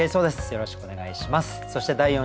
よろしくお願いします。